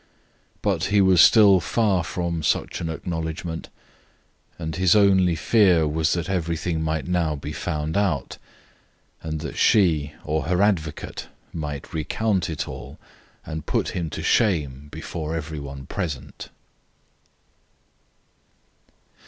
But he was still far from such an acknowledgment, and his only fear was that everything might now be found out, and that she or her advocate might recount it all and put him to shame before every one present.